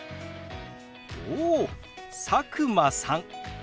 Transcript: おお佐久間さんですね。